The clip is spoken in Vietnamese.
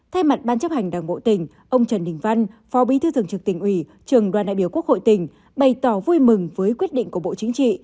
thay mặt ban chấp hành đảng bộ tỉnh ông trần đình văn phó bí thư thường trực tỉnh ủy trường đoàn đại biểu quốc hội tỉnh bày tỏ vui mừng với quyết định của bộ chính trị